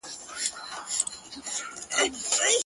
هېر مي دي ښایسته لمسیان ګوره چي لا څه کیږي-